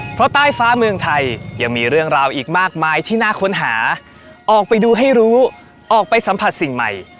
เพราะใต้ฟ้าเมืองไทยยังมีเรื่องราวอีกมากมายที่น่าค้นหาออกไปดูให้รู้ออกไปสัมผัสสิ่งใหม่